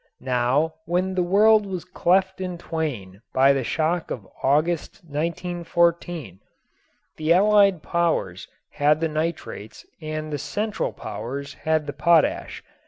Now when the world was cleft in twain by the shock of August, 1914, the Allied Powers had the nitrates and the Central Powers had the potash.